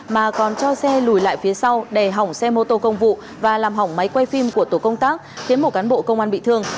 mà còn cho xe lùi lại phía sau đè hỏng xe mô tô công vụ và làm hỏng máy quay phim của tổ công tác khiến một cán bộ công an bị thương